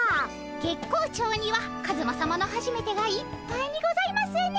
月光町にはカズマさまのはじめてがいっぱいにございますね。